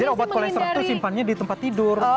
jadi obat kolesterol itu simpannya di tempat tidur